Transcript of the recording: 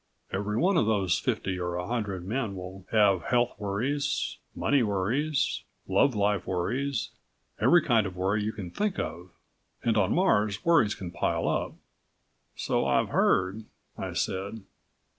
Every one of those fifty or a hundred men will have health worries, money worries, love life worries, every kind of worry you can think of. And on Mars worries can pile up." "So I've heard," I said.